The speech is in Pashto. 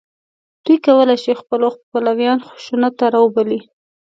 دوی کولای شي خپل پلویان خشونت ته راوبولي